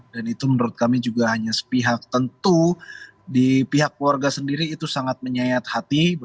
dan itu menurut kami juga hanya sepihak tentu di pihak keluarga sendiri itu sangat menyayat hati